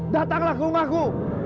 datanglah ke rumahku